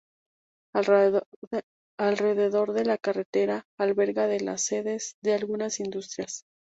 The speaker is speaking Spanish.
Alrededor de la carretera alberga las sedes de algunas industrias.